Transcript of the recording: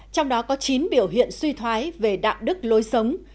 trong đó có chín biểu hiện suy thoái về đạo đức lối sống